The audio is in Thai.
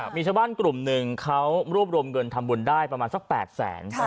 มีชาวบ้านกลุ่มหนึ่งเขารวบรวมเงินทำบุญได้ประมาณสัก๘แสน